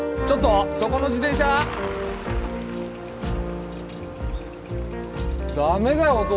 ちょっとそこの自転車ダメだよ